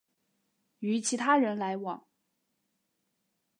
与其他人来往